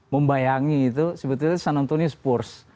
membayangi itu sebetulnya san antonio spurs